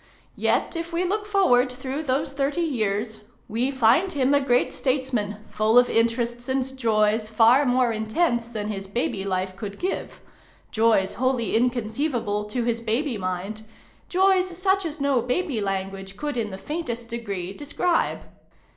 ' Yet, if we look forward through those thirty years, we find him a great statesman, full of interests and joys far more intense than his baby life could give joys wholly inconceivable to his baby mind joys such as no baby language could in the faintest degree describe.